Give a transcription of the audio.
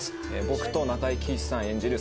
僕と中井貴一さん演じる